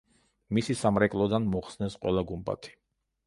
მისი სამრეკლოდან მოხსნეს ყველა გუმბათი.